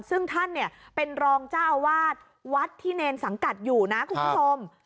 ซึ่งท่านเนี่ยเป็นรองเจ้าอาวาสวัดที่เนรสังกัดอยู่นะคุณผู้ชม